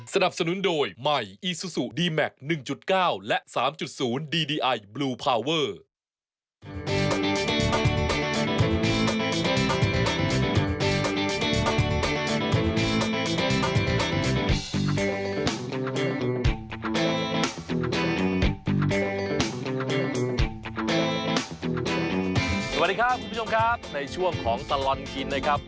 สวัสดีครับคุณผู้ชมครับในช่วงของตลอดกินนะครับ